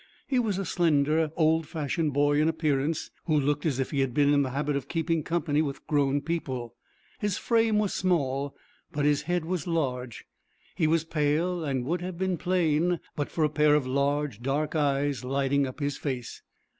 He was a slender, old fashioned boy in appearance, who looked as if he had been in the habit of keeping company with grown people. His frame was small, but his head was large. He was pale, and would have been plain, but for a pair of large, dark eyes, lighting up his face.